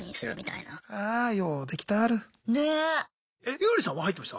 ユーリさんは入ってました？